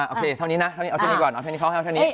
โอเคเท่านี้นะเอาเท่านี้ก่อน